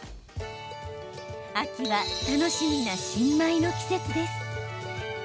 秋は楽しみな新米の季節です。